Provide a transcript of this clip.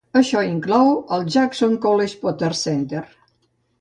Això inclou el Jackson College Potter Center.